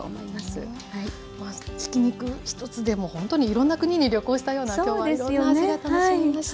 ひき肉１つでもほんとにいろんな国に旅行したような今日はいろんな味が楽しめました。